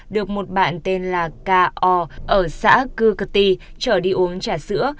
được một bạn tên là k o ở xã cư cật tì trở đi uống trà sữa